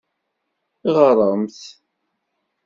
Ɣremt!